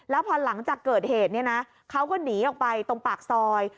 แล้วพอหลังจากเกิดเหตุเนี่ยนะเขาก็หนีออกไปตรงปากซอย